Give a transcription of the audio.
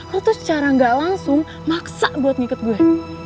aku tuh secara gak langsung maksa buat ngikut gue